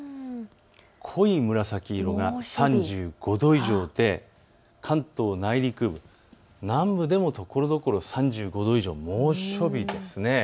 濃い紫色が３５度以上で関東内陸部、南部でもところどころ３５度以上、猛暑日です。